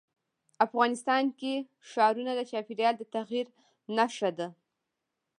افغانستان کې ښارونه د چاپېریال د تغیر نښه ده.